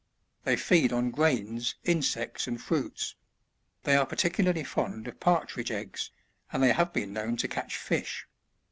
They feed on grains, insects and fruits ; they are particularly fond of partridge eggs, and they have been known to catch fish.